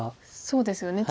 そうですよね。